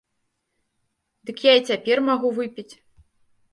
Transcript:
Дык я і цяпер магу выпіць.